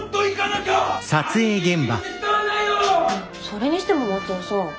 それにしても松尾さん。